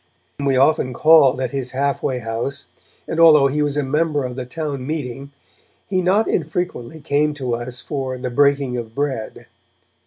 We often called at his half way house, and, although he was a member of the town meeting, he not unfrequently came up to us for 'the breaking of bread'.